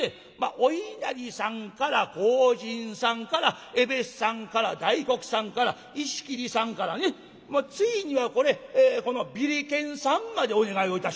お稲荷さんから荒神さんからえべっさんから大黒さんから石切さんからねついにはこれこのビリケンさんまでお願いをいたしまして。